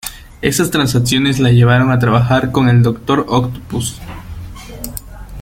Esas transacciones la llevaron a trabajar con el Dr. Octopus.